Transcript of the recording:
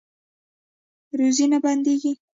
روزي نه بندیږي